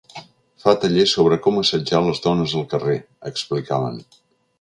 Fa tallers sobre com assetjar les dones al carrer, explicaven.